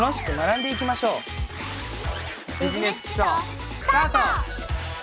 「ビジネス基礎」スタート！